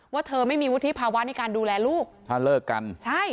เธอไม่มีวุฒิภาวะในการดูแลลูกถ้าเลิกกันใช่